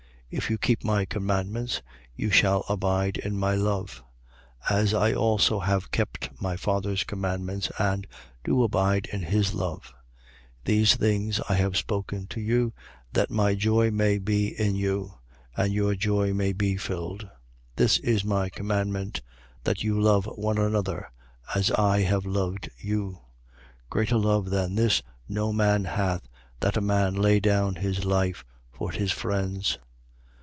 15:10. If you keep my commandments, you shall abide in my love: as I also have kept my Father's commandments and do abide in his love. 15:11. These things I have spoken to you, that my joy may be in you, and your joy may be filled. 15:12. This is my commandment, that you love one another, as I have loved you. 15:13. Greater love than this no man hath, that a man lay down his life for his friends.